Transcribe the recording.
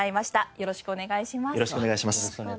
よろしくお願いします。